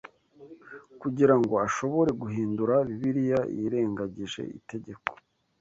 kugirango ashobore guhindura Bibiliya yirengagije Itegeko